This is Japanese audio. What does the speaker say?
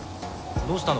どうしたの？